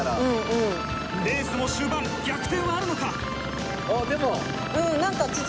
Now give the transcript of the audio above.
レースも終盤逆転はあるのか？